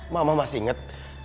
mama masih inget